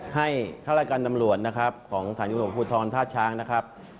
ให้ทราบรายการตำรวจนะครับของสถานยุโรปภูทรท่าช้างนะครับ